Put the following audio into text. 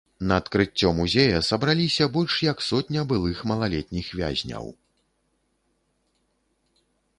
На адкрыццё музея сабраліся больш як сотня былых малалетніх вязняў.